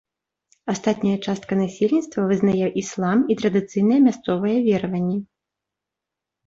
Астатняя частка насельніцтва вызнае іслам і традыцыйныя мясцовыя вераванні.